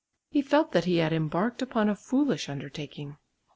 He felt that he had embarked upon a foolish undertaking.